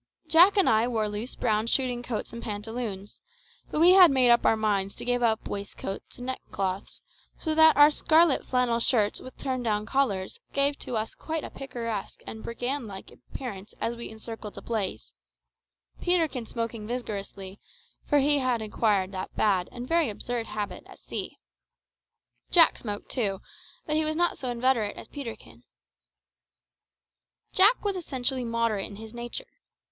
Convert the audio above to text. Jack and I wore loose brown shooting coats and pantaloons; but we had made up our minds to give up waistcoats and neckcloths, so that our scarlet flannel shirts with turned down collars gave to us quite a picturesque and brigand like appearance as we encircled the blaze Peterkin smoking vigorously, for he had acquired that bad and very absurd habit at sea. Jack smoked too, but he was not so inveterate as Peterkin. Jack was essentially moderate in his nature.